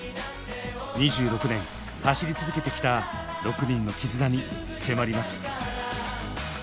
２６年走り続けてきた６人の絆に迫ります。